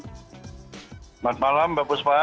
selamat malam mbak buspa